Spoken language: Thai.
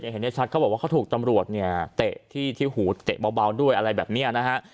เห็นได้ชัดเขาบอกว่าเขาถูกตำรวจเนี่ยเตะที่หูเตะเบาด้วยอะไรแบบนี้นะฮะ